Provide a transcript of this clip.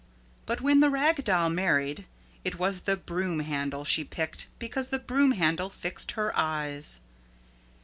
But when the Rag Doll married, it was the Broom Handle she picked because the Broom Handle fixed her eyes.